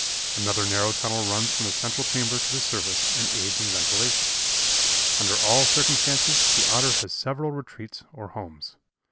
Another narrow tunnel runs from the central chamber to the surface and aids in ventilation. Under all circumstances the Otter has several retreats or homes."